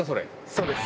そうです。